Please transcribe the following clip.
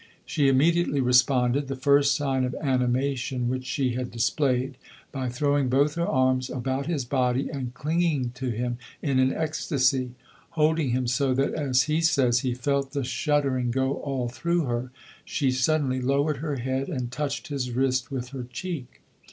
She immediately responded the first sign of animation which she had displayed by throwing both her arms about his body and clinging to him in an ecstasy. Holding him so that, as he says, he felt the shuddering go all through her, she suddenly lowered her head and touched his wrist with her cheek.